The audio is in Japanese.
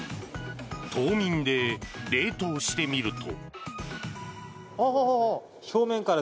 凍眠で冷凍してみると。